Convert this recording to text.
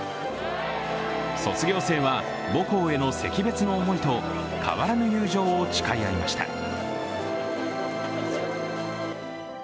卒業生は母校への惜別の思いと変わらぬ友情を誓い合いました。